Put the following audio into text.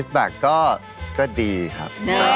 ฟิดแบบก็ก็ดีครับ